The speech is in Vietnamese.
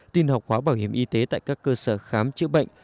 tin học hóa bảo hiểm y tế tại các cơ sở khám chữa bệnh